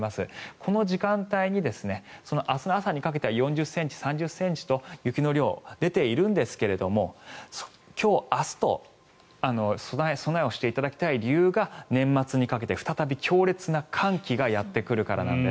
この時間帯に明日の朝にかけては４０ｃｍ、３０ｃｍと雪の量、出ているんですが今日明日と備えをしていただきたい理由が年末にかけて再び強烈な寒気がやってくるからなんです。